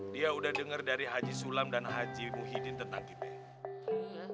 dia udah dengar dari haji sulam dan haji muhyiddin tentang ibe